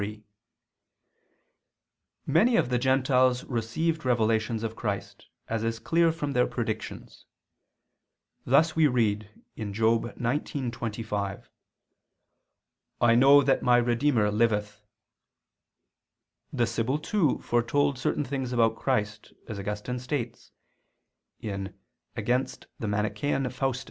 3: Many of the gentiles received revelations of Christ, as is clear from their predictions. Thus we read (Job 19:25): "I know that my Redeemer liveth." The Sibyl too foretold certain things about Christ, as Augustine states (Contra Faust.